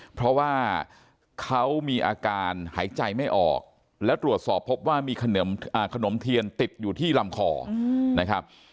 เพราะว่าเขามีอาการหายใจไม่ออกแล้วตรวจสอบพบว่ามีขนมเทียนติดอยู่ที่ลำคอนะครับ